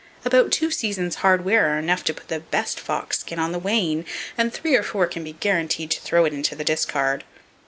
About two seasons' hard wear are enough to put the best fox skin on the wane, and three or four can be guaranteed to throw it into the discard.